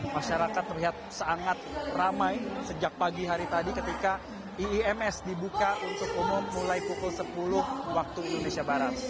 masyarakat terlihat sangat ramai sejak pagi hari tadi ketika iims dibuka untuk umum mulai pukul sepuluh waktu indonesia barat